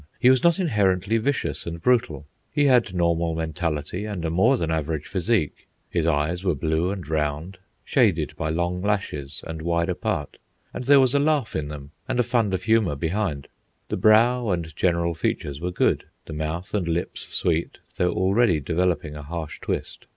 He was not inherently vicious and brutal. He had normal mentality, and a more than average physique. His eyes were blue and round, shaded by long lashes, and wide apart. And there was a laugh in them, and a fund of humour behind. The brow and general features were good, the mouth and lips sweet, though already developing a harsh twist.